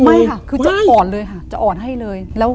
ไม่ค่ะคือจะอ่อนเลยค่ะจะอ่อนให้เลย